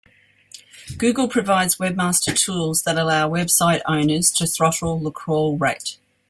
Google provides "Webmaster Tools" that allow website owners to throttle the crawl rate.